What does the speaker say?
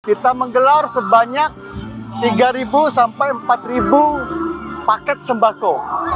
kita menggelar sebanyak tiga sampai empat paket sembako